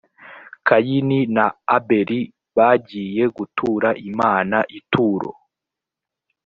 kayini na abeli bagiye gutura imana ituro